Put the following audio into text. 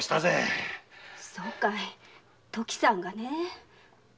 そうかい時さんがねぇ。